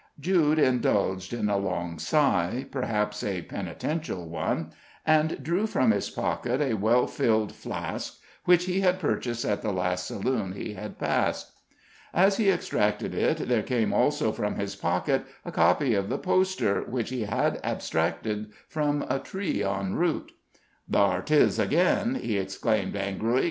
Jude indulged in a long sigh, perhaps a penitential one, and drew from his pocket a well filled flask, which he had purchased at the last saloon he had passed. As he extracted it, there came also from his pocket a copy of the poster, which he had abstracted from a tree en route. "Thar 'tis again!" he exclaimed, angrily.